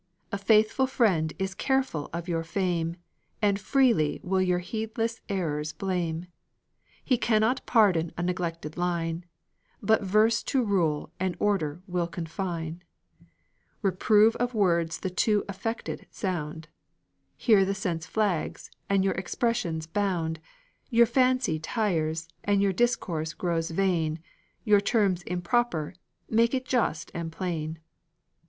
A faithful friend is careful of your fame, And freely will your heedless errors blame; He cannot pardon a neglected line, But verse to rule and order will confine, Reprove of words the too affected sound, "Here the sense flags, and your expression's bound, Your fancy tires, and your discourse grows vain; Your term's improper; make it just and plain."